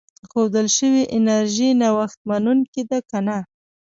ښودل شوې انرژي نوښت منونکې ده که نه.